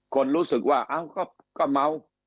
คนรู้สึกว่าเอ้าก็เมา